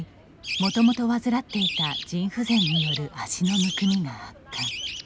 もともと患っていた腎不全による足のむくみが悪化。